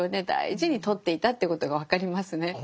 大事に取っていたということが分かりますね。